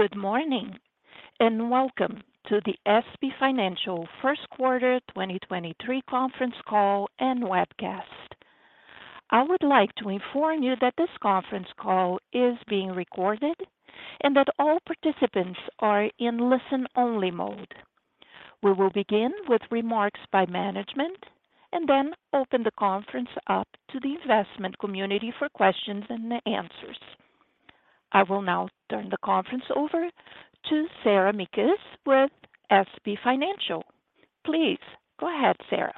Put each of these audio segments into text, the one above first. Good morning, and welcome to the SB Financial Q1 2023 conference call and webcast. I would like to inform you that this conference call is being recorded and that all participants are in listen-only mode. We will begin with remarks by management and then open the conference up to the investment community for questions and the answers. I will now turn the conference over to Sarah Mekus with SB Financial. Please go ahead, Sarah.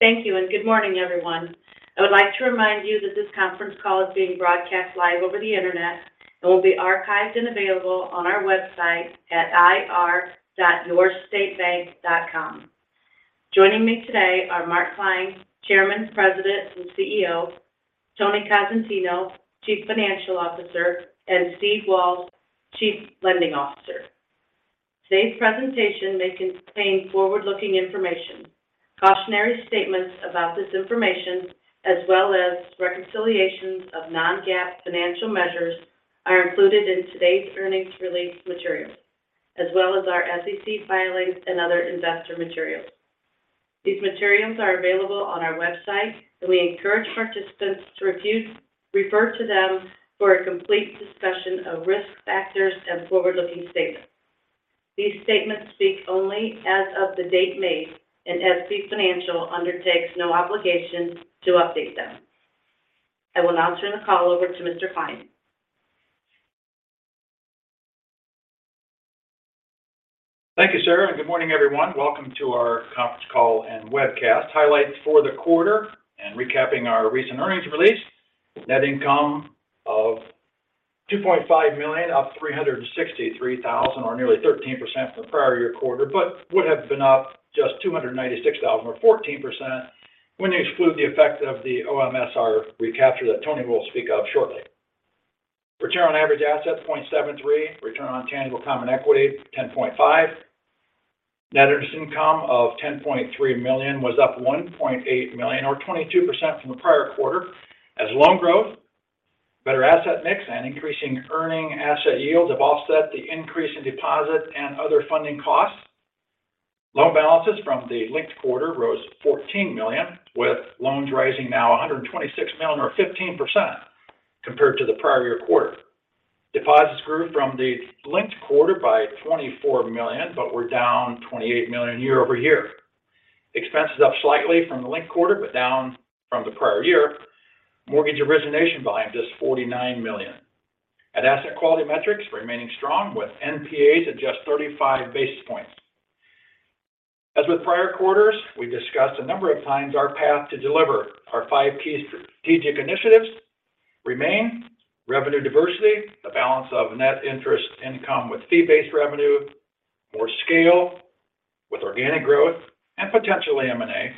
Thank you. Good morning, everyone. I would like to remind you that this conference call is being broadcast live over the Internet and will be archived and available on our website at ir.yourstatebank.com. Joining me today are Mark Klein, Chairman, President, and CEO; Tony Cosentino, Chief Financial Officer; and Steve Walsh, Chief Lending Officer. Today's presentation may contain forward-looking information. Cautionary statements about this information, as well as reconciliations of non-GAAP financial measures, are included in today's earnings release materials, as well as our SEC filings and other investor materials. These materials are available on our website, and we encourage participants to refer to them for a complete discussion of risk factors and forward-looking statements. These statements speak only as of the date made. SB Financial undertakes no obligation to update them. I will now turn the call over to Mr. Kline. Thank you, Sarah. Good morning, everyone. Welcome to our conference call and webcast. Highlights for the quarter and recapping our recent earnings release. Net income of $2.5 million, up $363,000 or nearly 13% from the prior-year quarter. Would have been up just $296,000 or 14% when you exclude the effect of the OMSR recapture that Tony will speak of shortly. Return on average assets, 0.73%. Return on tangible common equity, 10.5%. Net interest income of $10.3 million was up $1.8 million or 22% from the prior quarter as loan growth, better asset mix, and increasing earning asset yields have offset the increase in deposits and other funding costs. Loan balances from the linked quarter rose $14 million, with loans rising now $126 million or 15% compared to the prior year quarter. Deposits grew from the linked quarter by $24 million, but were down $28 million year-over-year. Expenses up slightly from the linked quarter, but down from the prior year. Mortgage origination volume just $49 million. Asset quality metrics remaining strong with NPAs at just 35 basis points. As with prior quarters, we discussed a number of times our path to deliver our five key strategic initiatives remain revenue diversity, the balance of net interest income with fee-based revenue, more scale with organic growth and potential M&A,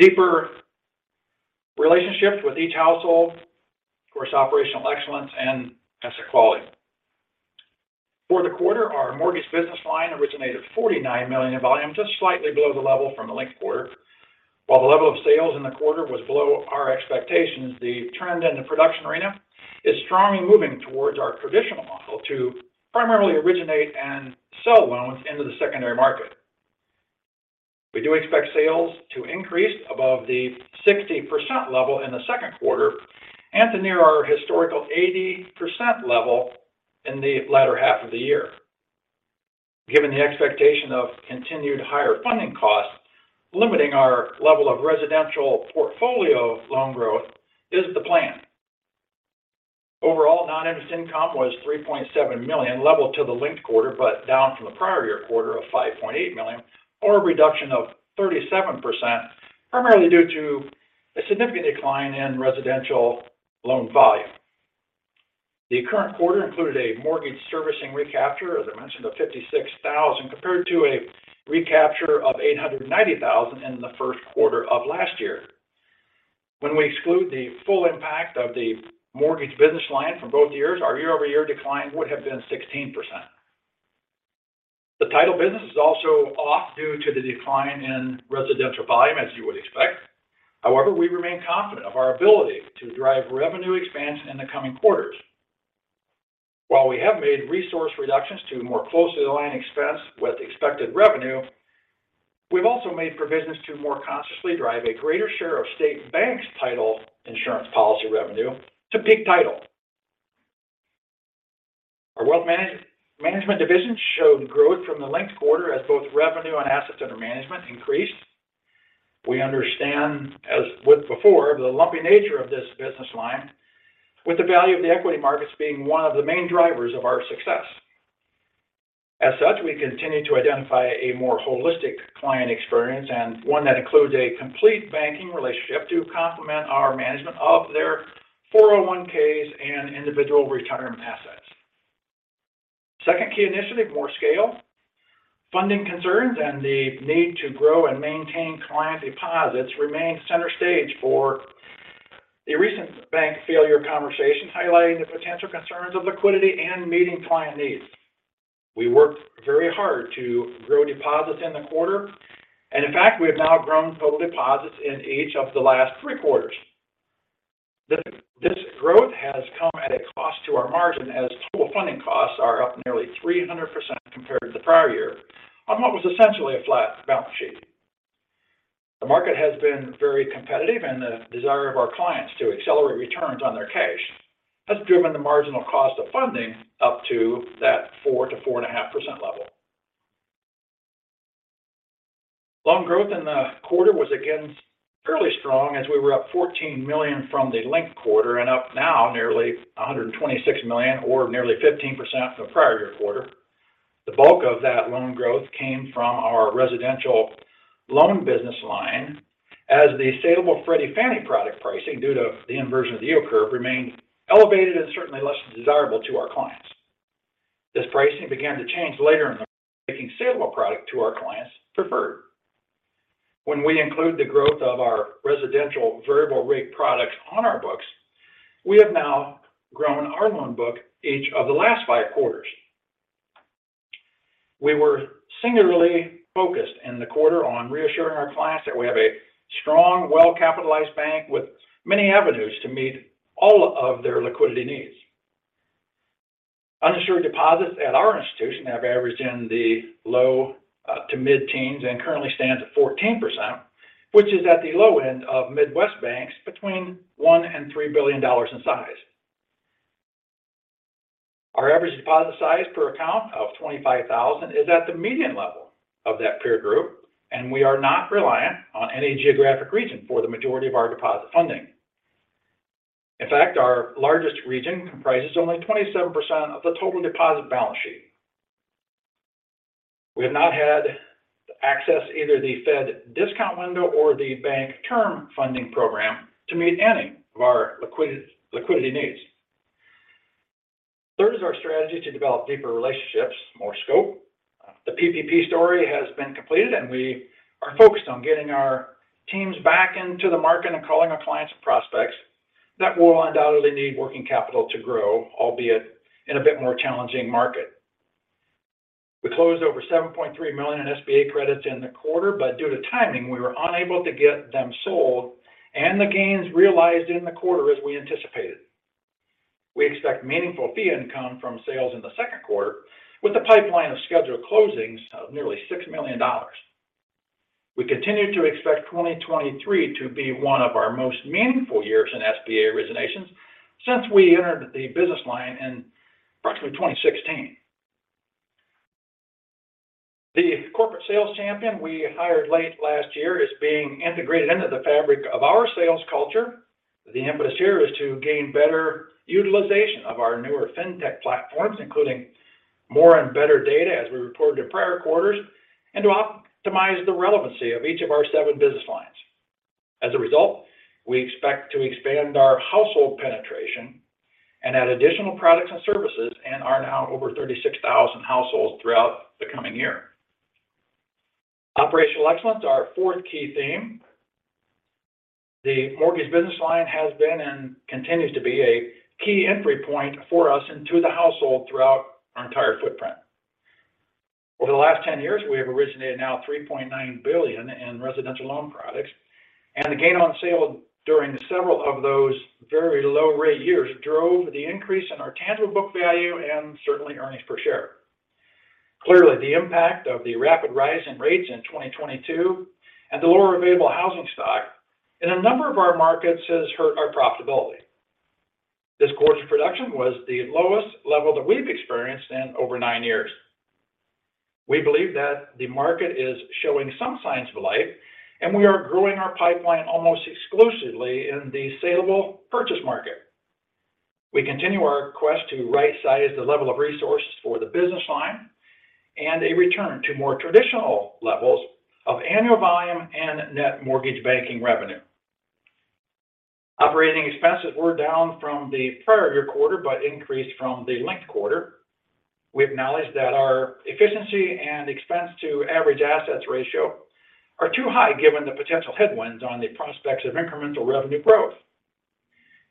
deeper relationships with each household, of course, operational excellence, and asset quality. For the quarter, our mortgage business line originated $49 million in volume, just slightly below the level from the linked quarter. While the level of sales in the quarter was below our expectations, the trend in the production arena is strongly moving towards our traditional model to primarily originate and sell loans into the secondary market. We do expect sales to increase above the 60% level in the Q1 and to near our historical 80% level in the latter half of the year. Given the expectation of continued higher funding costs, limiting our level of residential portfolio loan growth is the plan. Overall, non-interest income was $3.7 million, level to the linked quarter, but down from the prior year quarter of $5.8 million, or a reduction of 37%, primarily due to a significant decline in residential loan volume. The current quarter included a mortgage servicing recapture, as I mentioned, of $56,000, compared to a recapture of $890,000 in the Q1 of last year. We exclude the full impact of the mortgage business line from both years, our year-over-year decline would have been 16%. The title business is also off due to the decline in residential volume, as you would expect. We remain confident of our ability to drive revenue expansion in the coming quarters. We have made resource reductions to more closely align expense with expected revenue, we've also made provisions to more consciously drive a greater share of State Bank's title insurance policy revenue to Peak Title. Our wealth management division showed growth from the linked quarter as both revenue and assets under management increased. We understand, as with before, the lumpy nature of this business line, with the value of the equity markets being one of the main drivers of our success. We continue to identify a more holistic client experience and one that includes a complete banking relationship to complement our management of their 401(k)s and individual retirement assets. Second key initiative, more scale. Funding concerns and the need to grow and maintain client deposits remain center stage for the recent bank failure conversations highlighting the potential concerns of liquidity and meeting client needs. We worked very hard to grow deposits in the quarter, in fact, we have now grown total deposits in each of the last Q3. This growth has come at a cost to our margin as total funding costs are up nearly 300% compared to the prior year on what was essentially a flat balance sheet. The market has been very competitive, and the desire of our clients to accelerate returns on their cash has driven the marginal cost of funding up to that 4%-4.5% level. Loan growth in the quarter was again fairly strong as we were up $14 million from the linked quarter and up now nearly $126 million or nearly 15% from the prior year quarter. The bulk of that loan growth came from our residential loan business line as the salable Freddie Mac Fannie Mae product pricing due to the inversion of the yield curve remained elevated and certainly less desirable to our clients. This pricing began to change later in the making salable product to our clients preferred. When we include the growth of our residential variable rate products on our books, we have now grown our loan book each of the last Q5. We were singularly focused in the quarter on reassuring our clients that we have a strong, well-capitalized bank with many avenues to meet all of their liquidity needs. Uninsured deposits at our institution have averaged in the low to mid-teens and currently stands at 14%, which is at the low end of Midwest banks between $1 billion-$3 billion in size. Our average deposit size per account of $25,000 is at the median level of that peer group, and we are not reliant on any geographic region for the majority of our deposit funding. In fact, our largest region comprises only 27% of the total deposit balance sheet. We have not had access to either the Fed discount window or the Bank Term Funding Program to meet any of our liquidity needs. Third is our strategy to develop deeper relationships, more scope. The PPP story has been completed, and we are focused on getting our teams back into the market and calling our clients prospects that will undoubtedly need working capital to grow, albeit in a bit more challenging market. We closed over $7.3 million in SBA credits in the quarter, but due to timing, we were unable to get them sold and the gains realized in the quarter as we anticipated. We expect meaningful fee income from sales in the Q2 with a pipeline of scheduled closings of nearly $6 million. We continue to expect 2023 to be one of our most meaningful years in SBA originations since we entered the business line in approximately 2016. The corporate sales champion we hired late last year is being integrated into the fabric of our sales culture. The emphasis here is to gain better utilization of our newer fintech platforms, including more and better data as we reported in prior quarters, and to optimize the relevancy of each of our seven business lines. As a result, we expect to expand our household penetration and add additional products and services and are now over 36,000 households throughout the coming year. Operational excellence, our fourth key theme. The mortgage business line has been and continues to be a key entry point for us into the household throughout our entire footprint. Over the last 10 years, we have originated now $3.9 billion in residential loan products, and the gain on sale during several of those very low rate years drove the increase in our tangible book value and certainly earnings per share. Clearly, the impact of the rapid rise in rates in 2022 and the lower available housing stock in a number of our markets has hurt our profitability. This quarter's production was the lowest level that we've experienced in over nine years. We believe that the market is showing some signs of light, and we are growing our pipeline almost exclusively in the salable purchase market. We continue our quest to right-size the level of resources for the business line and a return to more traditional levels of annual volume and net mortgage banking revenue. Operating expenses were down from the prior year quarter. Increased from the linked quarter. We acknowledge that our efficiency and expense to average assets ratio are too high given the potential headwinds on the prospects of incremental revenue growth.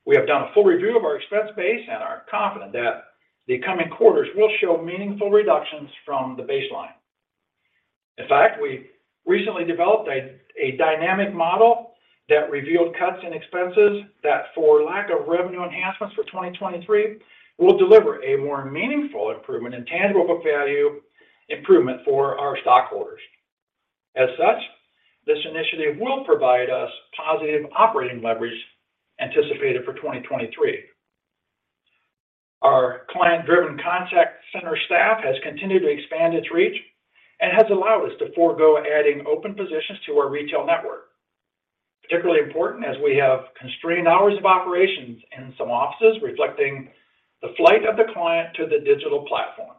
We have done a full review of our expense base and are confident that the coming quarters will show meaningful reductions from the baseline. In fact, we recently developed a dynamic model that revealed cuts in expenses that for lack of revenue enhancements for 2023 will deliver a more meaningful improvement in tangible book value improvement for our stockholders. As such, this initiative will provide us positive operating leverage anticipated for 2023. Our client-driven contact center staff has continued to expand its reach and has allowed us to forego adding open positions to our retail network. Particularly important, as we have constrained hours of operations in some offices, reflecting the flight of the client to the digital platform.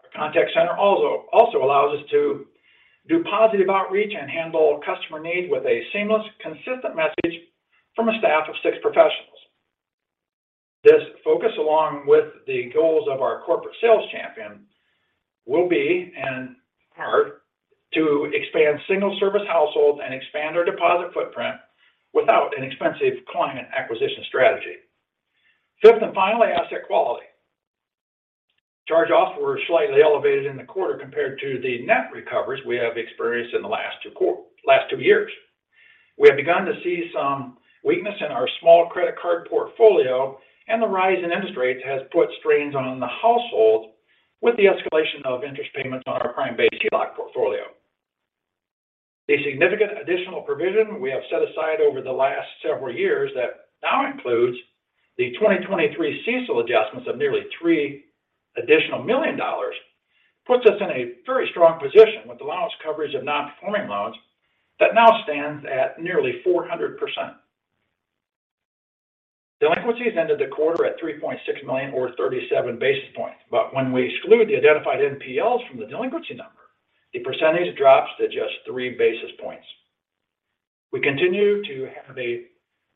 Our contact center also allows us to do positive outreach and handle customer needs with a seamless, consistent message from a staff of six professionals. This focus, along with the goals of our corporate sales champion, will be in part to expand single service households and expand our deposit footprint without an expensive client acquisition strategy. Fifth, finally, asset quality. Charge-offs were slightly elevated in the quarter compared to the net recoveries we have experienced in the last two years. We have begun to see some weakness in our small credit card portfolio, the rise in interest rates has put strains on the household with the escalation of interest payments on our prime-based HELOC portfolio. The significant additional provision we have set aside over the last several years that now includes the 2023 CECL adjustments of nearly $3 million puts us in a very strong position with allowance coverage of non-performing loans that now stands at nearly 400%. Delinquencies ended the quarter at $3.6 million or 37 basis points. When we exclude the identified NPLs from the delinquency number, the percentage drops to just three basis points. We continue to have a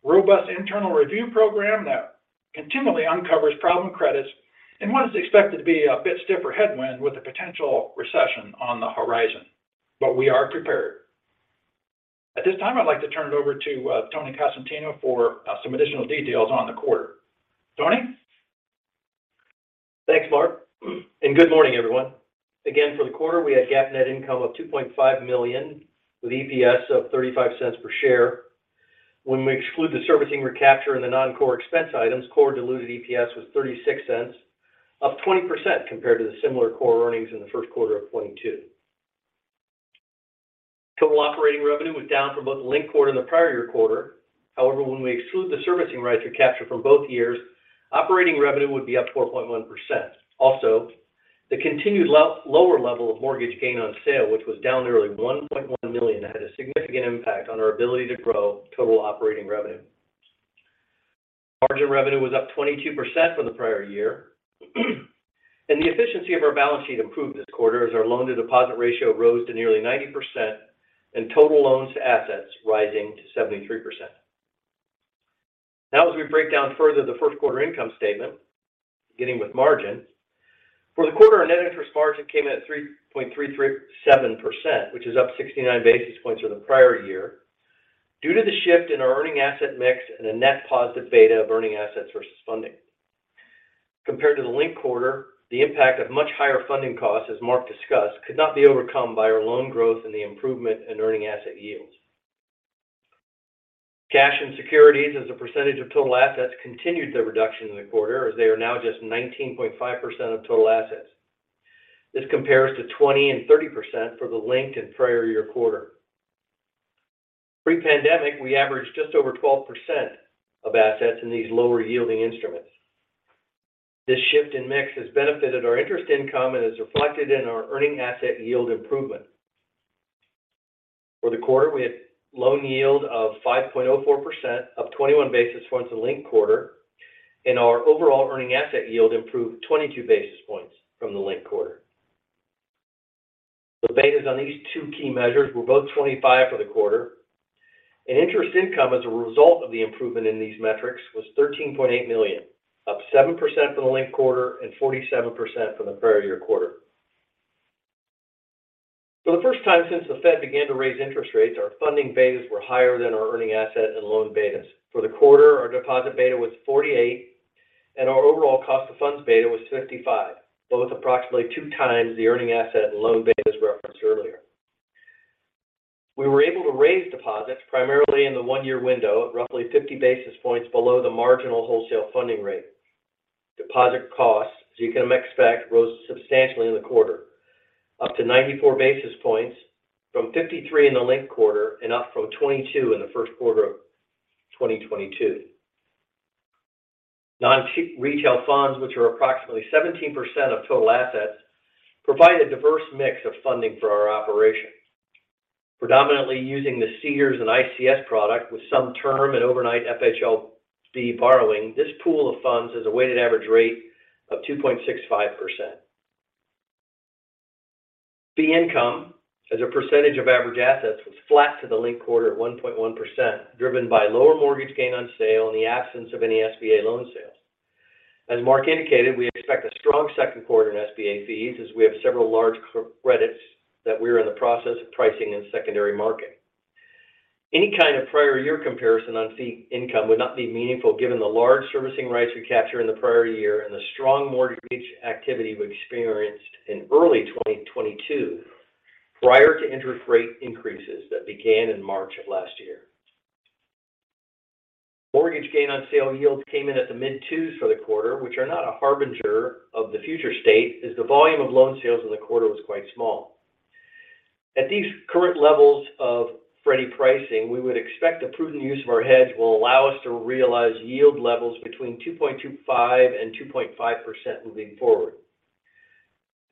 robust internal review program that continually uncovers problem credits in what is expected to be a bit stiffer headwind with a potential recession on the horizon, but we are prepared. At this time, I'd like to turn it over to Tony Cosentino for some additional details on the quarter. Tony. Thanks, Mark. Good morning, everyone. Again, for the quarter, we had GAAP net income of $2.5 million with EPS of $0.35 per share. When we exclude the servicing recapture and the non-core expense items, core diluted EPS was $0.36, up 20% compared to the similar core earnings in the Q1 of 2022. Total operating revenue was down for both linked quarter and the prior year quarter. However, when we exclude the servicing rights recapture from both years, operating revenue would be up 4.1%. Also, the continued lower level of mortgage gain on sale, which was down nearly $1.1 million, had a significant impact on our ability to grow total operating revenue. Margin revenue was up 22% from the prior year. The efficiency of our balance sheet improved this quarter as our loan to deposit ratio rose to nearly 90% and total loans to assets rising to 73%. As we break down further the Q1 income statement, beginning with margin. For the quarter, our Net interest margin came in at 3.337%, which is up 69 basis points for the prior year due to the shift in our earning asset mix and the net positive beta of earning assets versus funding. Compared to the linked quarter, the impact of much higher funding costs, as Mark discussed, could not be overcome by our loan growth and the improvement in earning asset yields. Cash and securities as a percentage of total assets continued their reduction in the quarter, as they are now just 19.5% of total assets. This compares to 20% and 30% for the linked and prior year quarter. Pre-pandemic, we averaged just over 12% of assets in these lower yielding instruments. This shift in mix has benefited our interest income and is reflected in our earning asset yield improvement. For the quarter, we had loan yield of 5.04%, up 21 basis points in the linked quarter, our overall earning asset yield improved 22 basis points from the linked quarter. The betas on these two key measures were both 25 for the quarter. Interest income as a result of the improvement in these metrics was $13.8 million, up 7% from the linked quarter and 47% from the prior year quarter. For the first time since the Fed began to raise interest rates, our funding betas were higher than our earning asset and loan betas. For the quarter, our deposit beta was 48, and our overall cost of funds beta was 55. Both approximately two times the earning asset and loan betas referenced earlier. We were able to raise deposits primarily in the one-year window at roughly 50 basis points below the marginal wholesale funding rate. Deposit costs, as you can expect, rose substantially in the quarter, up to 94 basis points from 53 basis points in the linked quarter and up from 22 basis points in the Q1 of 2022. Non-retail funds, which are approximately 17% of total assets, provide a diverse mix of funding for our operations. Predominantly using the CDARS and ICS product with some term and overnight FHLB borrowing, this pool of funds has a weighted average rate of 2.65%. The income as a percentage of average assets was flat to the linked quarter at 1.1%, driven by lower mortgage gain on sale and the absence of any SBA loan sales. As Mark indicated, we expect a strong Q2 in SBA fees as we have several large credits that we are in the process of pricing in secondary market. Any kind of prior year comparison on fee income would not be meaningful given the large servicing rights we captured in the prior year and the strong mortgage activity we experienced in early 2022 prior to interest rate increases that began in March of last year. Mortgage gain on sale yields came in at the mid-2s for the quarter, which are not a harbinger of the future state, as the volume of loan sales in the quarter was quite small. At these current levels of Freddie pricing, we would expect the prudent use of our hedge will allow us to realize yield levels between 2.25% and 2.5% moving forward.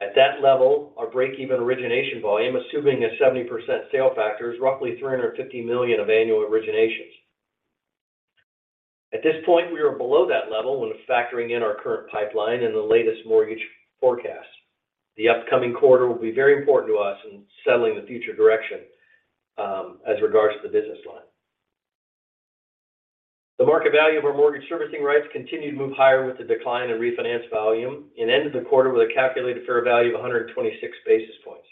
At that level, our break-even origination volume, assuming a 70% sale factor, is roughly $350 million of annual originations. At this point, we are below that level when factoring in our current pipeline and the latest mortgage forecast. The upcoming quarter will be very important to us in settling the future direction, as regards to the business line. The market value of our mortgage servicing rights continued to move higher with the decline in refinance volume and ended the quarter with a calculated fair value of 126 basis points.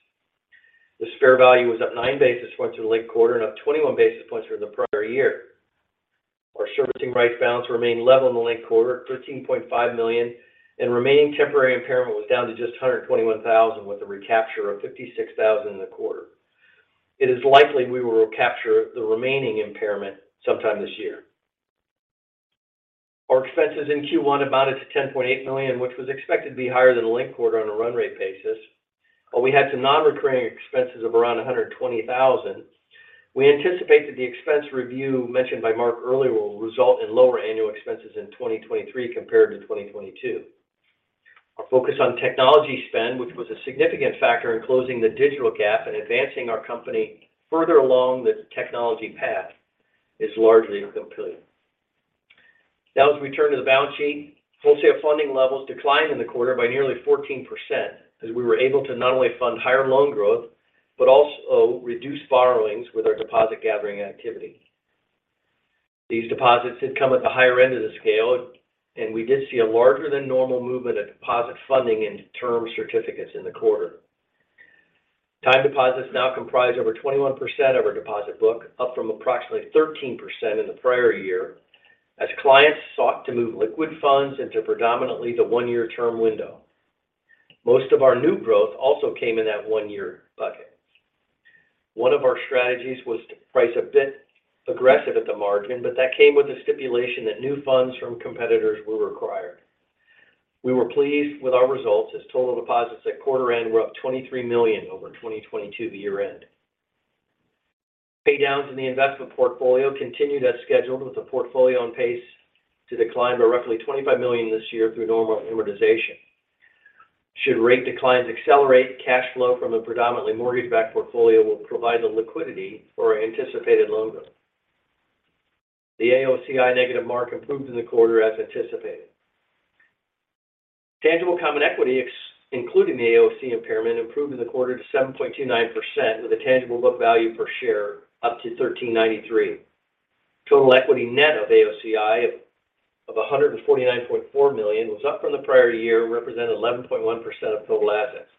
This fair value was up nine basis points from the linked quarter and up 21 basis points from the prior year. Our servicing rights balance remained level in the linked quarter at $13.5 million, and remaining temporary impairment was down to just $121,000, with a recapture of $56,000 in the quarter. It is likely we will recapture the remaining impairment sometime this year. Our expenses in Q1 amounted to $10.8 million, which was expected to be higher than the linked quarter on a run rate basis. While we had some non-recurring expenses of around $120,000, we anticipate that the expense review mentioned by Mark earlier will result in lower annual expenses in 2023 compared to 2022. Our focus on technology spend, which was a significant factor in closing the digital gap and advancing our company further along the technology path, is largely completed. Now as we turn to the balance sheet, wholesale funding levels declined in the quarter by nearly 14% as we were able to not only fund higher loan growth but also reduce borrowings with our deposit gathering activity. These deposits did come at the higher end of the scale, and we did see a larger than normal movement of deposit funding into term certificates in the quarter. Time deposits now comprise over 21% of our deposit book, up from approximately 13% in the prior year as clients sought to move liquid funds into predominantly the one-year term window. Most of our new growth also came in that one-year bucket. One of our strategies was to price a bit aggressive at the margin, but that came with the stipulation that new funds from competitors were required. We were pleased with our results as total deposits at quarter end were up $23 million over 2022 year end. Pay downs in the investment portfolio continued as scheduled, with the portfolio on pace to decline by roughly $25 million this year through normal amortization. Should rate declines accelerate, cash flow from a predominantly mortgage-backed portfolio will provide the liquidity for our anticipated loan growth. The AOCI negative mark improved in the quarter as anticipated. Tangible common equity including the AOCI impairment, improved in the quarter to 7.29%, with a tangible book value per share up to $13.93. Total equity net of AOCI of $149.4 million was up from the prior year, representing 11.1% of total assets.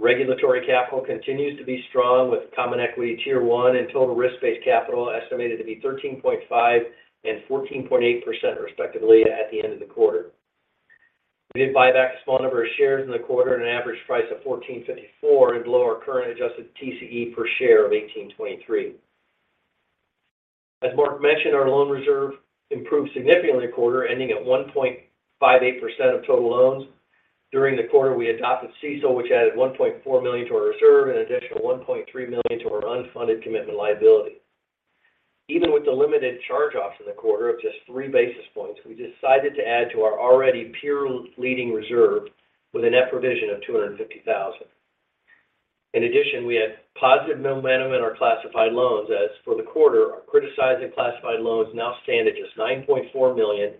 Regulatory capital continues to be strong with Common Equity Tier one and total risk-based capital estimated to be 13.5% and 14.8% respectively at the end of the quarter. We did buy back a small number of shares in the quarter at an average price of $14.54 and lower current adjusted TCE per share of $18.23. As Mark mentioned, our loan reserve improved significantly in the quarter, ending at 1.58% of total loans. During the quarter, we adopted CECL, which added $1.4 million to our reserve and an additional $1.3 million to our unfunded commitment liability. Even with the limited charge-offs in the quarter of just three basis points, we decided to add to our already peer leading reserve with a net provision of $250,000. We had positive momentum in our classified loans, as for the quarter, our criticized and classified loans now stand at just $9.4 million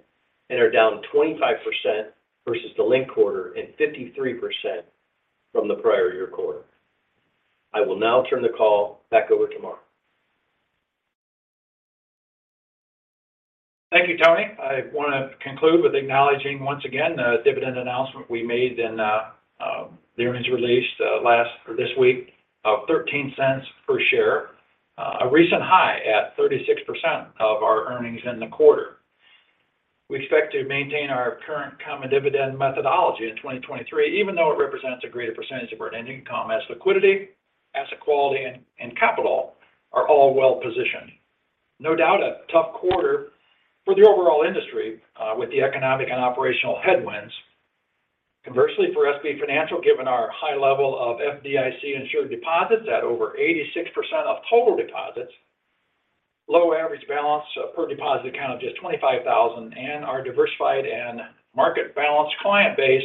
and are down 25% versus the linked quarter and 53% from the prior year quarter. I will now turn the call back over to Mark. Thank you, Tony. I want to conclude with acknowledging once again the dividend announcement we made in the earnings release last or this week of $0.13 per share, a recent high at 36% of our earnings in the quarter. We expect to maintain our current common dividend methodology in 2023, even though it represents a greater % of our net income as liquidity, asset quality and capital are all well positioned. No doubt a tough quarter for the overall industry with the economic and operational headwinds. For SB Financial, given our high level of FDIC insured deposits at over 86% of total deposits, low average balance per deposit account of just $25,000, and our diversified and market balanced client base,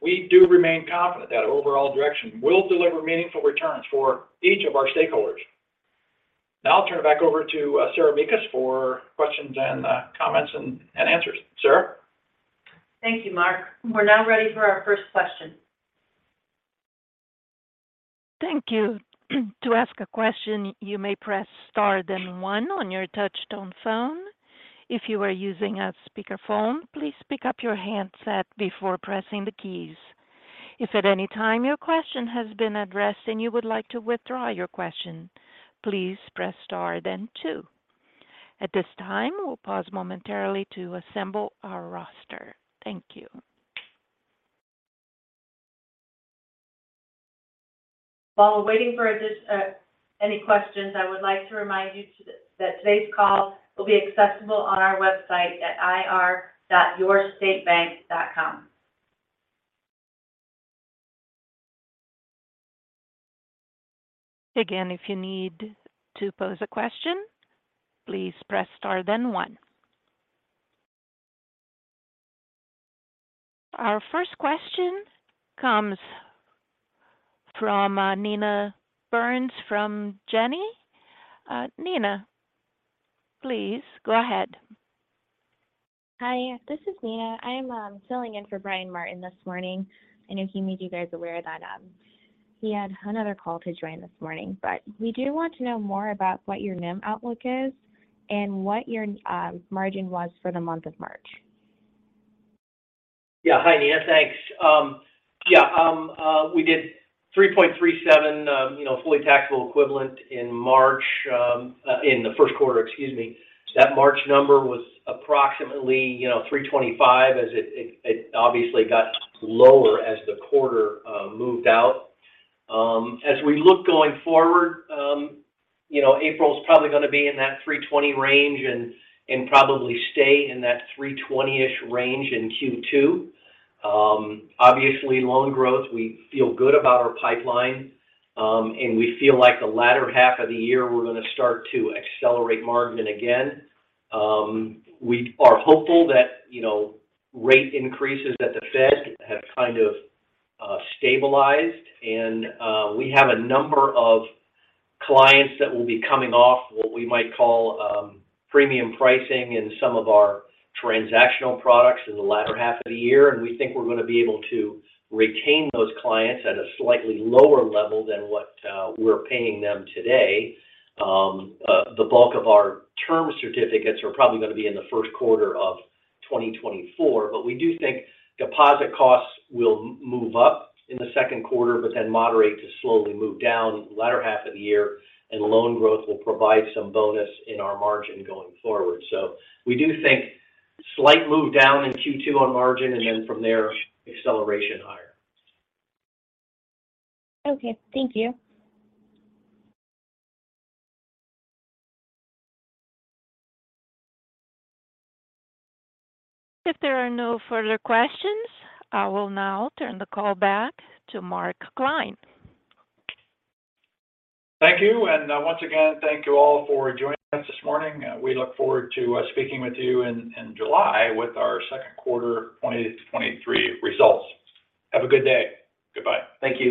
we do remain confident that overall direction will deliver meaningful returns for each of our stakeholders. Now I'll turn it back over to Sarah Mekus for questions and answers. Sarah? Thank you, Mark. We're now ready for our first question. Thank you. To ask a question, you may press star then one on your touch-tone phone. If you are using a speakerphone, please pick up your handset before pressing the keys. If at any time your question has been addressed and you would like to withdraw your question, please press star then two. At this time, we'll pause momentarily to assemble our roster. Thank you. Any questions, I would like to remind you that today's call will be accessible on our website at ir.yourstatebank.com. Again, if you need to pose a question, please press star then one. Our first question comes from Nina Burns from Janney. Nina, please go ahead. Hi, this is Nina. I'm filling in for Brian Martin this morning. I know he made you guys aware that he had another call to join this morning. We do want to know more about what your NIM outlook is and what your margin was for the month of March. Yeah. Hi, Nina. Thanks. Yeah, we did 3.37%, you know, fully taxable equivalent in March, in the Q1, excuse me. That March number was approximately, you know, 3.25% as it obviously got lower as the quarter moved out. As we look going forward, you know, April's probably gonna be in that 3.20% range and probably stay in that 3.20%-ish range in Q2. Obviously loan growth, we feel good about our pipeline, and we feel like the latter half of the year we're gonna start to accelerate margin again. We are hopeful that, you know, rate increases at the Fed have kind of stabilized and we have a number of clients that will be coming off what we might call premium pricing in some of our transactional products in the latter half of the year, and we think we're gonna be able to retain those clients at a slightly lower level than what we're paying them today. The bulk of our term certificates are probably gonna be in the Q1 of 2024, but we do think deposit costs will move up in the Q2, but then moderate to slowly move down the latter half of the year, and loan growth will provide some bonus in our margin going forward. We do think slight move down in Q2 on margin and then from there, acceleration higher. Okay. Thank you. If there are no further questions, I will now turn the call back to Mark Klein. Thank you. Once again, thank you all for joining us this morning. We look forward to, speaking with you in July with our Q2 2023 results. Have a good day. Goodbye. Thank you.